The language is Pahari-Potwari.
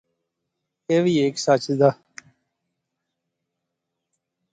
ایہہ وی ہیک سچ دا